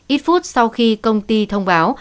ít phút sau khi công ty thông báo